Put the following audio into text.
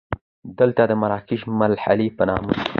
دلته د مراکشي محلې په نامه.